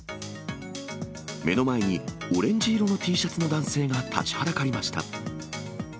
目の前にオレンジ色のＴシャツの男性が立ちはだかりました。